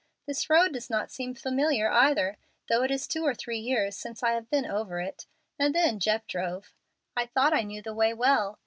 This road does not seem familiar either, though it is two or three years since I have been over it, and then Jeff drove. I thought I knew the way well.